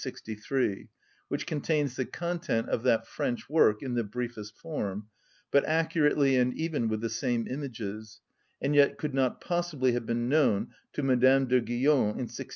63, which contains the content of that French work in the briefest form, but accurately and even with the same images, and yet could not possibly have been known to Madame de Guion in 1680.